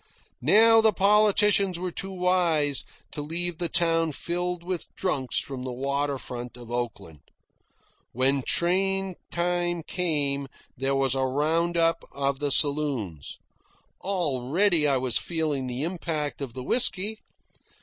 Now the politicians were too wise to leave the town filled with drunks from the water front of Oakland. When train time came, there was a round up of the saloons. Already I was feeling the impact of the whisky.